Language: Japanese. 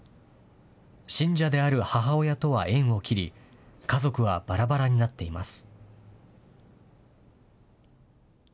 信者である母親とは縁を切り、家族はばらばらになっています。